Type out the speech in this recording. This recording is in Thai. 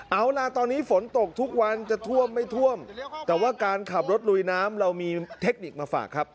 เอาล่ะตอนนี้ฝนตกทุกวันจะท่วมไม่ท่วมแต่ว่าการขับรถลุยน้ำเรามีเทคนิคมาฝากครับ